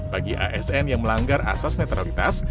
bagi asn yang melanggar asas netralitas